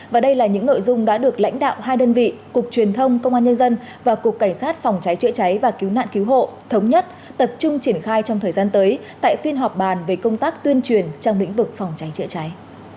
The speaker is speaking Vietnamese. và đây là những nội dung đã được lãnh đạo hai đơn vị cục truyền thông công an nhân dân và cục cảnh sát phòng trái trễ trái và cứu nạn cứu hộ thống nhất tập trung triển khai trong thời gian tới tại phiên họp bàn về công tác tuyên truyền trong lĩnh vực phòng trái trễ trái